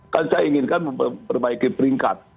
kan saya inginkan memperbaiki peringkat